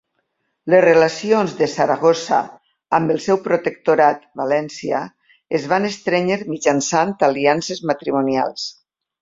Les relacions de Saragossa amb el seu protectorat, València, es van estrènyer mitjançant aliances matrimonials.